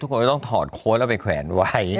คนก็ต้องถอดโค้ดแล้วไปแขวนไว้